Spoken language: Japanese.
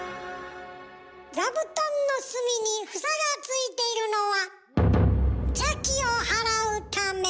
座布団の隅に房がついているのは邪気を払うため。